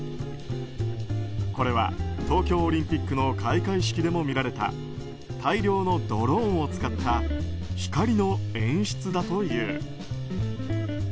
これは、東京オリンピックの開会式でも見られた大量のドローンを使った光の演出だという。